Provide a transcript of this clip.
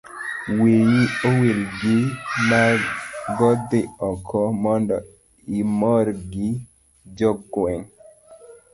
wiyi owil gi mago dhi oko mondo imor gi jo gweng'